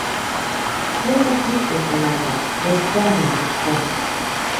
Не заквітне троянда без терня рвачкого.